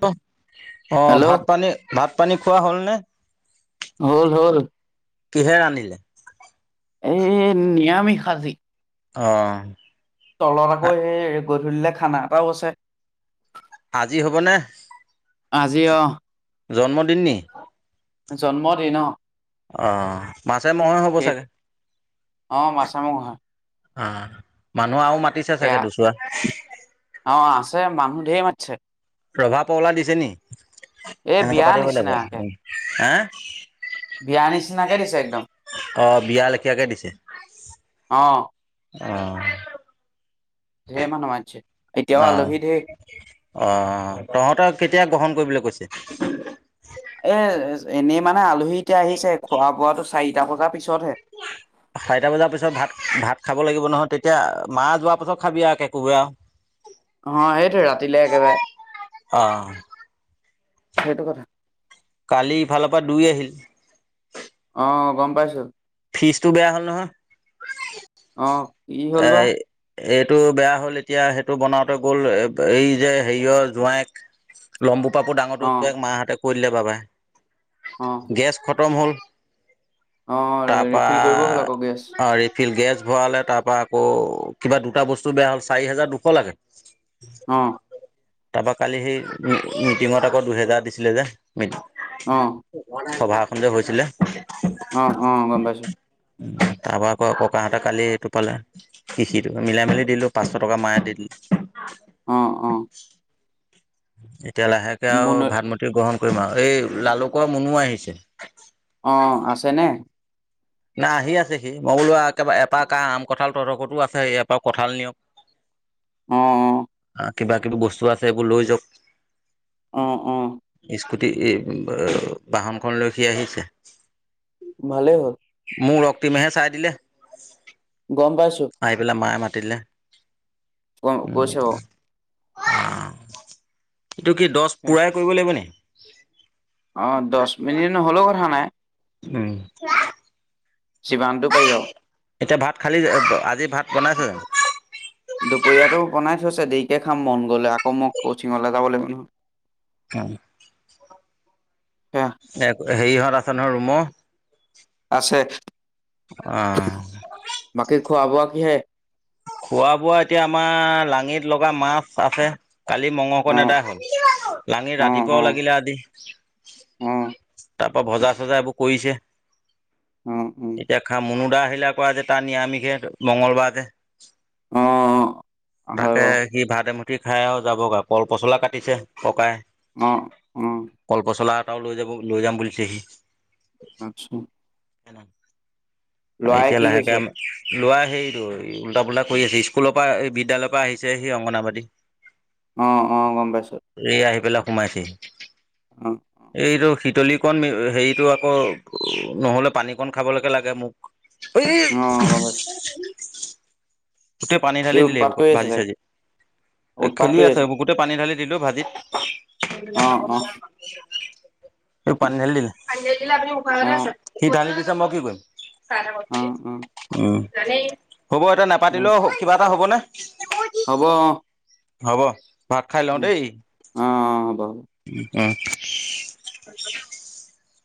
হ'ব। অঁ হেল্ল' ভাত পানী ভাত পানী খোৱা হ'লনে? হ'ল হ'ল। কিহে ৰান্ধিলে? এই নিৰামিষ আজি। অ তলত আকৌ সেই গধূলিলে খানা এটাও আছে। আজি হ'ব নে আজি অ জন্মদিন নি জন্মদিন অ অ মাছে মংসহে হ'ব সেই চাগে অ মাছামুখ হয় [unintelligible] মানুহ আৰু মাতিছে সেয়া চাগে দুছৰা অ আছে মানুহ ঢেৰ মাতিছে ৰভা পহলা দিছে নেকি এই সেনেকে বিয়া পাতিব লাগিব বিয়াৰ নিচিনাকে দিছে একদম অ বিয়া লেখিয়াকে দিছে অ অ ঢেৰ মানুহ মাতিছে এতিয়াও অ আলহী ঢেৰ অ তহঁতৰ কেতিয়া গ্ৰহণ কৰিব কৈছে এ এনেই মানে আলহী এতিয়া আহিছে খোৱা বোৱাটো চাৰিটা বজাৰ পিছতহে চাৰিটা বজাৰ পিছত ভাত ভাত খাব লাগিব নহয় তেতিয়া মা যোৱাৰ পাছত খাবি আৰু একে কোবে আ অ সেইটোৱে ৰাতিলে একেবাৰে অ', সেইটো কথা কালি ইফালৰ পৰা দুই আহিল অ গম পাইছো ফ্ৰিজটো বেয়া হ'ল নহয় অ কি হ'ল এ বা এইটো বেয়া হ'ল এতিয়া সেইটো বনাওঁতে গ'ল এই যে হেৰিয়ৰ জোঁৱায়েক লম্বু পাপুৰ ডাঙৰ অ পুতেক মাহঁতে কৈ দিলে পাবা অ গেছ খ- -তম হ'ল অ', তাৰপৰা ৰিফিল কৰিব হ'ল আকৌ গেছ। অ ৰিফিল গেছ ভৰালে তাত তাৰপৰা আকৌ কিবা দুটা বস্তু বেয়া হ'ল চাৰি হাজাৰ দুশ লাগে অ তাৰপৰা কালি সেই মিটিঙত আকৌ দুহেজাৰ দিছিলে যে অ', মিটিং সভা সন্দেহ হৈছিলে অ, অ, গম পাইছো। তাৰ পা আকৌ ককাহঁতে কালি এইটো পালে কৃষিটো মিলাই মেলি দিলোঁ পাঁচশ টকা মায় দি দিলে। অ' অ'। [inaudible] এতিয়া লাহেকে আৰু বুন ভাত মূটিও গ্ৰহণ কৰিম আৰু এই লালুক মুনু আহিছে। অ', আছেনে? না আহি আছে সি মই বোলো একেবাৰে এপাৰ ক আম কঁঠাল ততকতো আছে এপাৰ কঁঠাল নিয়ক অ', অ'। কিবা কিবি বস্তু আছে এইবোৰ লৈ যাওক। অ' অ'। গুটি এই, অ, বাহনখনলৈ সি আহিছে। ভালে হ'ল। মোৰ ৰক্তিমেহে চাই দিলে। গম আহি পেলাই মায়ে মা তিলে ক কৈছে ও। অ'। এইটো কি দছ পূৰাই কৰিব লাগিব নি? [inaudible] অ, দছ মিনিট নহ'লেও কথা নাই। উম। জিমানটো পাই আও। এতিয়া ভাত খালী আজি ভাত বনাইছে? দুপৰীয়াটো বনাই থৈছে দেৰিকে খাম মন গ'লে আ ক' মই ক'চিংলৈ যাব লাগিব। [inaudible] হয়। সেয়া এক হেৰিহঁত আছে নহয় ৰুমো? আছে। বাকী অ'। খোৱা বোৱা কিহে? খোৱা বোৱা এতিয়া আমাৰ লাঙিত লগা মাছ আছে। কালি মঙহ অ', কণ এদাই হল লাঙি অ', ৰাতিপুৱাও অ', লাগিলে আজি অ', অ', বজাৰ-চজাৰ এইবোৰ কৰিছে। অ', অ', এতিয়া খা মুনু দা অহালে আকো আজি তাৰ নিৰামিষে, মঙগলবাৰ যে। অ', অ'। হয় তাকে বাৰু সি ভা মঠ [inaudible] ৰুটি খাই আৰু যাবগৈ, পল পচলা কাটিছে ককাই। উ-উম। ত লৈ যাব, লৈ যাম বুলিছেহি। আচ্ছা হ ন [unintelligible] ল'ৰাই এতিয়া কি লাহেকে, কৰিছে? লোৱা সেইটো আৰু উল্টা পো্টা কৰি আছে, স্কুলৰ পৰা, এই বিদ্যালয়ৰ পৰা আহিছে সি অংগনবাাদী। অ'অ গম পাইছো। সোমাইছে। এইতো সি লিকণ হেৰিতটো আকৌ, নহ'লে পানীকণ খাবলৈকে লাগে মোক। উ [unintelligible] অ', গম পাইছোঁ। উ [inaudible] গোটেই পানী ঢালি দিলে এই উৎপাত বোৰুত, কৰি আছে ভাজি চাগে, চাজি, এই উৎপাত খেলি কৰি আছে এইবোৰ গোটেই পানী ঢালি দিলোঁ ভাজিত চ অ', অ', ন [unintelligible] ই পান হেল দিলি আ [unintelligible] নিান অ', আছ [unintelligible] মই কি কৰিম অ', অ', স' উম হ'ব তে নাপাতিলেও, কিবা এ হ'বনে? [inaudible] হ'ব অঁ। হব। ভাত খাই লওঁ দেই অ ব [unintelligible] উম [unintelligible] উম [inaudible]